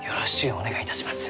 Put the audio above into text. お願いいたします。